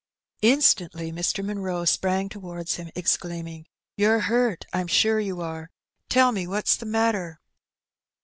Instantly Mr. Munroe sprang towards him^ exclaiming, " You're hurt, I'm sure you are ; tell me what's the matter."